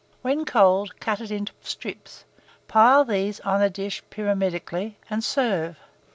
When cold, cut it into strips; pile these on a dish pyramidically, and serve.